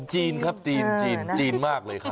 จีนครับจีนจีนจีนมากเลยครับ